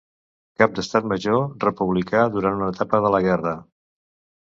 Cap d'Estat Major republicà durant una etapa de la guerra.